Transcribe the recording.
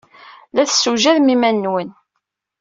La tessewjadem iman-nwen.